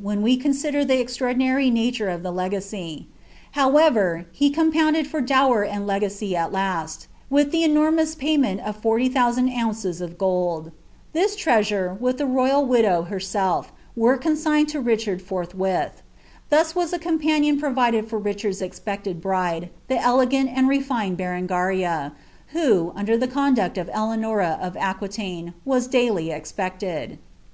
when we comtiiler die eztnionlinary lulurt o( tlic legacy. However, he compounded lur tlower and leirnry si lul. wilh the enomous tiaymenl of 40,000 ounces of gold. Tins 'liwiurt, with the royal widow herself, were consigned lo Richard fonhaiib. Thus was a companion provided for Richanl's expected bride, iht ele gant and refined Beren^ria, who, under the conduct of Eleanora at Aquitaine, wae daily expected.